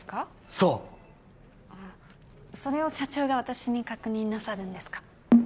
そうあそれを社長が私に確認なさるんですか？